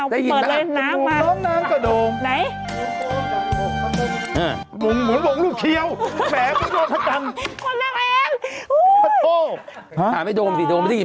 ได้ยินแล้วมาพูดถึงร่อน้ำกับโดมใอะไร